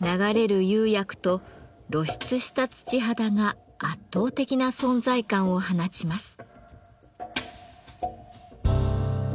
流れる釉薬と露出した土肌が圧倒的な存在感を放ちます。